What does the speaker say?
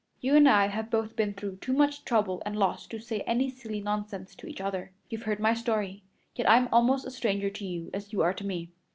You and I have both been through too much trouble and loss to say any silly nonsense to each other. You've heard my story, yet I'm almost a stranger to you as you are to me.